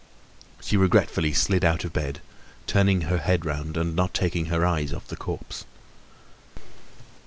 She regretfully slid out of bed, turning her head round and not taking her eyes off the corpse.